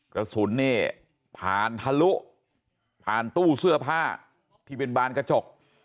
กระสุนเนี่ยผ่านทะลุผ่านตู้เสื้อผ้าที่เป็นบานกระจก